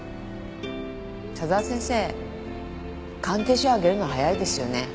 佐沢先生鑑定書あげるの早いですよね。